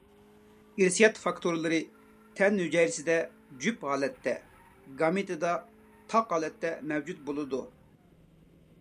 ئىرسىيەت فاكتورلىرى تەن ھۈجەيرىسىدە جۈپ ھالەتتە، گامېتىدا تاق ھالەتتە مەۋجۇت بولىدۇ.